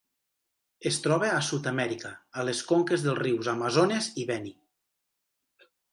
Es troba a Sud-amèrica, a les conques dels rius Amazones i Beni.